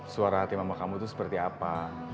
suara hati mama kamu itu seperti apa